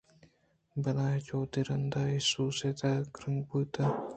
بلاہیں جہدے ءَرند اے سواس در کنگ بوت اَنت